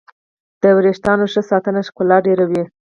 د ویښتانو ښه ساتنه ښکلا ډېروي.